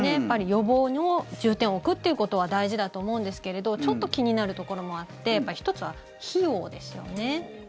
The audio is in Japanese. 予防に重点を置くということは大事だと思うんですけれどちょっと気になるところもあって１つは費用ですよね。